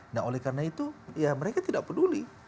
nah oleh karena itu ya mereka tidak peduli